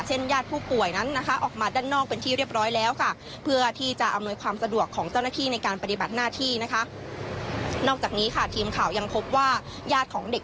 หน้าทีนะคะนอกจากนี้ค่ะทีมข่าวยังพบว่าญาติของเด็ก